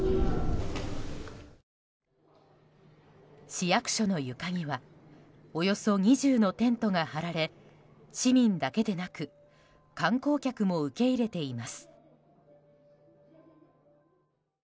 市役所の床にはおよそ２０のテントが張られ市民だけでなく観光客も受け入れています。